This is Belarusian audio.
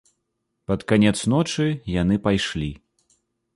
Пад канец ночы яны пайшлі.